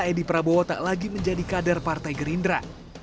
edi prabowo tak lagi menjadi kader partai gerindra